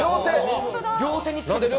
両手に着けてる。